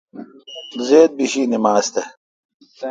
زید بیشی نما ز تہ۔